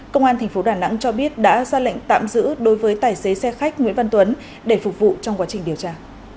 công an tp đà nẵng cho biết đã ra lệnh tạm giữ đối với tài xế xe khách nguyễn văn tuấn để phục vụ trong quá trình điều tra